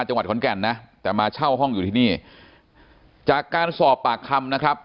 จังหวัดขอนแก่นนะแต่มาเช่าห้องอยู่ที่นี่จากการสอบปากคำนะครับ